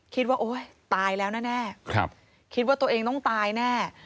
โอ๊ยตายแล้วแน่คิดว่าตัวเองต้องตายแน่